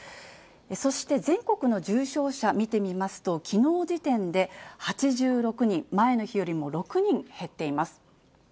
そして全国の重症者見てみますと、きのう時点で８６人、前の日よりも６人減っています。